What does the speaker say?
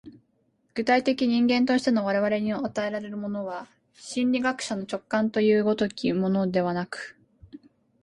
具体的人間としての我々に与えられるものは、心理学者の直覚という如きものではなく、